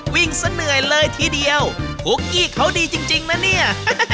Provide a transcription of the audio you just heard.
ซะเหนื่อยเลยทีเดียวคุกกี้เขาดีจริงนะเนี่ย